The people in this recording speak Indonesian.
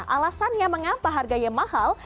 alasannya mengapa harganya mahal